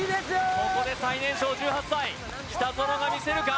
ここで最年少１８歳北園が魅せるか？